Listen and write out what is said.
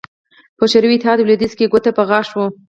په شوروي اتحاد او لوېدیځ کې ګوته په غاښ وو